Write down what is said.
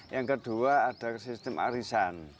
yang kedua ada sistem arisan